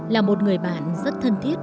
là một người bạn rất thân thiết